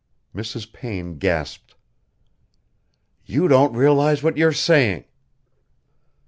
Mrs. Payne gasped. "You don't realize what you're saying."